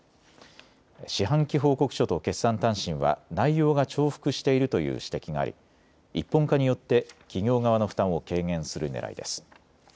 四半期報告書と決算短信は内容が重複しているという指摘があり一本化によって企業側の負担を軽減するねらいです。